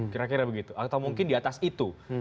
kira kira begitu atau mungkin di atas itu